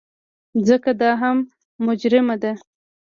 ځکه دا هم مجرمه ده.